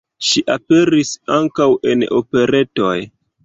Ŝi aperis ankaŭ en operetoj.